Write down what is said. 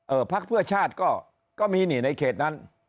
เออพรรคเพื่อชาติก็ก็มีในเขตนั้น